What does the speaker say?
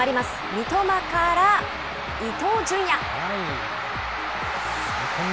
三笘から伊東純也。